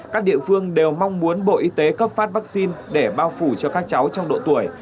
các địa phương đều mong muốn bộ y tế cấp phát vaccine để bao phủ cho các cháu trong độ tuổi